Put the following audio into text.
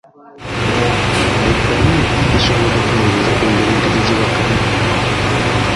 Ebbanyi lisobola okukendeeza ku ngeri ente gye ziwakamu.